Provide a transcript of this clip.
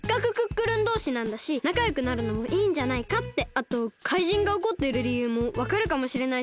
あとかいじんがおこってるりゆうもわかるかもしれないし。